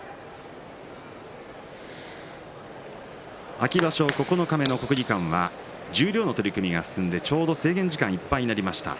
秋場所九日目の国技館は十両の取組が進んでちょうど制限時間いっぱいになりました。